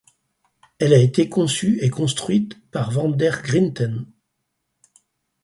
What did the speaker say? Elle a été conçue et construite par Van der Grinten.